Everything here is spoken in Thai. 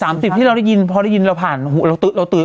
สามสิบที่เราได้ยินพอได้ยินเราผ่านหนูเราตึดเราต๒๐๑